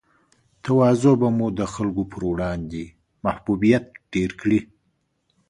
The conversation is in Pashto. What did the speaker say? تواضع به مو د خلګو پر وړاندې محبوبیت ډېر کړي